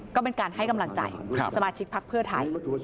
ก็เป็นการให้กำลังใจสมาชิกพักเพื่อไทย